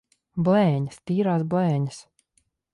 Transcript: Blēņas! Tīrās blēņas!